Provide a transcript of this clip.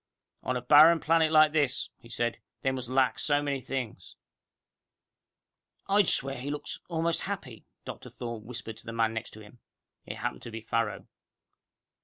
"On a barren planet like this," he said, "they must lack so many things!" "I'd swear he almost looks happy," Dr. Thorne whispered to the man next to him. It happened to be Farrow.